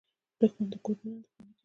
دښمن د کور دننه دښمني کوي